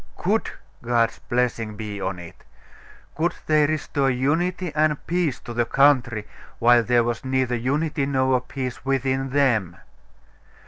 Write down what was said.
Could God's blessing be on it? Could they restore unity and peace to the country while there was neither unity nor peace within them?